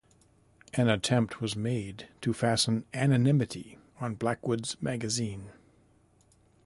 An attempt was made to fasten anonymity on Blackwood's Magazine.